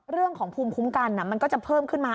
เรื่องของภูมิคุ้มกันมันก็จะเพิ่มขึ้นมา